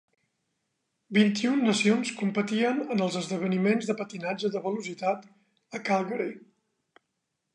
Vint-i-un Nacions competien en els esdeveniments de Patinatge de velocitat a Calgary.